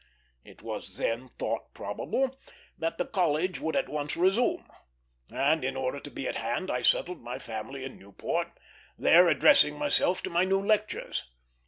It was then thought probable that the College would at once resume, and in order to be at hand I settled my family in Newport, there addressing myself to my new lectures.